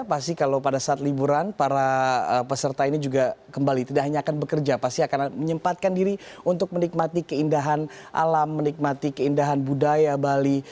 pasti kalau pada saat liburan para peserta ini juga kembali tidak hanya akan bekerja pasti akan menyempatkan diri untuk menikmati keindahan alam menikmati keindahan budaya bali